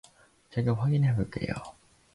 제가 확인해 볼게요.